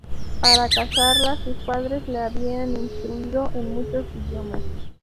Para casarla, sus padres le habían instruido en muchos idiomas.